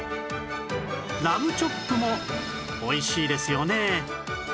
ラムチョップも美味しいですよね